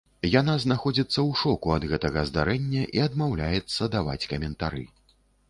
Яна знаходзіцца ў шоку ад гэтага здарэння і адмаўляецца даваць каментары.